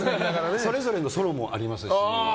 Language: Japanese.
それぞれのソロもありますし。